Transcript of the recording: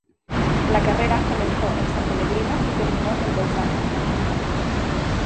La carrera comenzó en San Pellegrino y terminó en Bolzano.